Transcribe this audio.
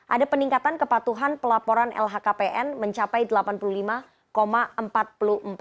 ada peningkatan kepatuhan pelaporan keuangan negara dan keuangan penduduk negara